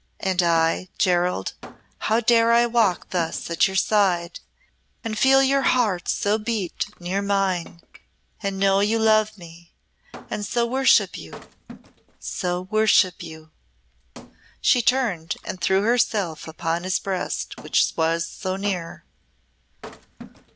And I Gerald, how dare I walk thus at your side and feel your heart so beat near mine, and know you love me, and so worship you so worship you " She turned and threw herself upon his breast, which was so near.